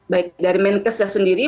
baik dari mentesnya sendiri